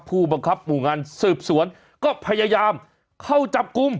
ผู้บังคับหมู่งานสืบสวนก็พยายามเข้าจับกลุ่ม